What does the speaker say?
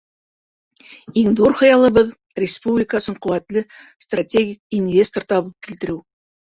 Иң ҙур хыялыбыҙ — республика өсөн ҡеүәтле стратегик инвестор табып килтереү.